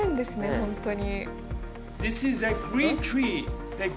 本当に。